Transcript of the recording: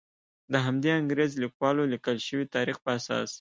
د همدې انګریز لیکوالو لیکل شوي تاریخ په اساس.